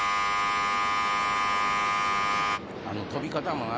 あの飛び方もな。